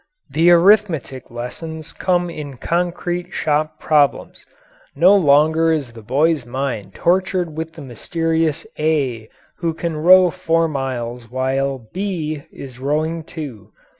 The arithmetic lessons come in concrete shop problems. No longer is the boy's mind tortured with the mysterious A who can row four miles while B is rowing two.